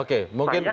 oke mungkin begitu